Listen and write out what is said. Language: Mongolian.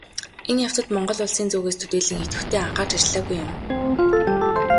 Энэ явцад Монгол Улсын зүгээс төдийлөн идэвхтэй анхаарч ажиллаагүй юм.